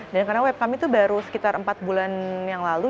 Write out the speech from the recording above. karena web kami itu baru sekitar empat bulan yang lalu